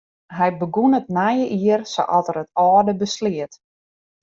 Hy begûn it nije jier sa't er it âlde besleat.